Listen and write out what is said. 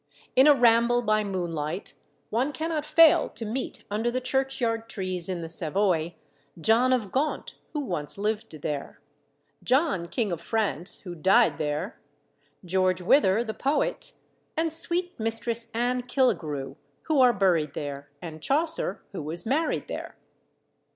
In a ramble by moonlight one cannot fail to meet under the churchyard trees in the Savoy, John of Gaunt, who once lived there; John, King of France, who died there; George Wither, the poet, and sweet Mistress Anne Killigrew, who are buried there, and Chaucer, who was married there.